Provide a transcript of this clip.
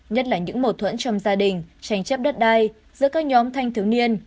nhất là những mẫu thuẫn trong gia đình tranh chấp đất đai giữa các nhóm thanh thướng niên